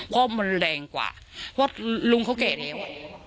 เพราะมันแรงกว่าเพราะลุงเขาแก่แล้ว